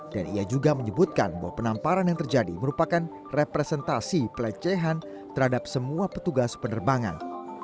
dan ia juga menyebutkan bahwa penamparan yang terjadi merupakan representasi pelecehan terhadap semua petugas penerbangan